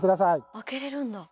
開けれるんだ。